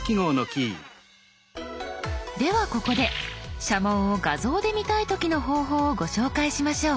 ではここで社紋を画像で見たい時の方法をご紹介しましょう。